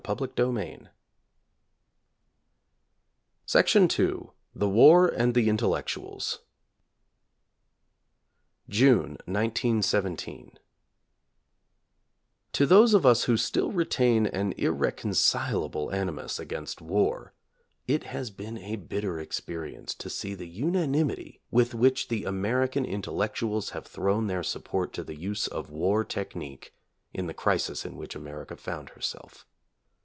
But we come entirely helpless. II THE WAR AND THE INTELLECTUALS (June, 1917) To those of us who still retain an irreconcilable animus against war, it has been a bitter experience to see the unanimity with which the American in tellectuals have thrown their support to the use of war technique in the crisis in which America found herself.